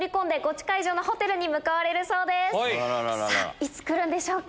いつ来るんでしょうか？